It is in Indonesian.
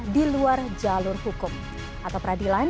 di luar jalur hukum atau peradilan